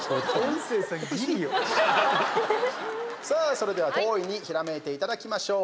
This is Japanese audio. それではおおいにひらめいていただきましょう。